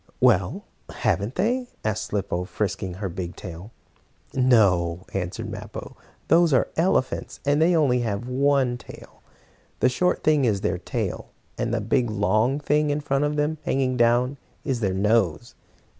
"Well, haven't they?" asked Slicko, frisking her big tail. "No," answered Mappo. "Those are elephants, and they have only one tail. The short thing is their tail, and the long thing, in front of them, hanging down, is their nose."